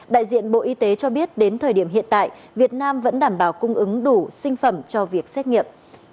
đại diện bộ y tế cho biết đến thời điểm hiện tại việt nam vẫn đảm bảo cung ứng đủ sinh phẩm cho việc xét nghiệm